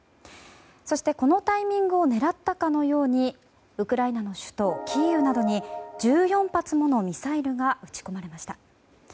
そしてこのタイミングを狙ったかのようにウクライナの首都キーウなどに１４発ものミサイルが撃ち込まれました。